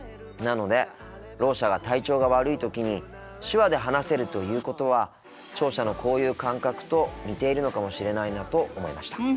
なのでろう者が体調が悪い時に手話で話せるということは聴者のこういう感覚と似ているのかもしれないなと思いました。